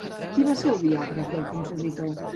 Qui va ser el biògraf del compositor?